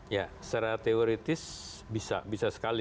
ya secara teoritis bisa bisa sekali